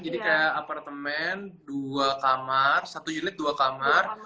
jadi kayak apartemen dua kamar satu unit dua kamar